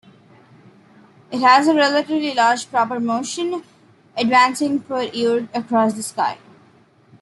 It has a relatively large proper motion, advancing per year across the sky.